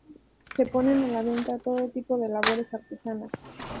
Se ponen a la venta todo tipo de labores artesanas.